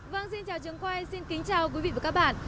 vâng xin chào trường quay xin kính chào quý vị và các bạn